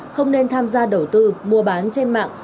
không nên tham gia đầu tư mua bán trên mạng